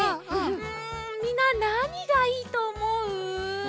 うんみんななにがいいとおもう？